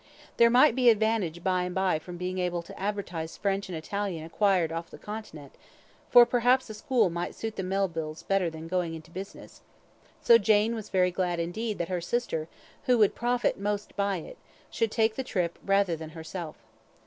There might be advantage by and by from being able to advertise French and Italian acquired off the Continent, for perhaps a school might suit the Melvilles better than going into business; so Jane was very glad indeed that her sister, who would profit most by it, should take the trip rather than herself.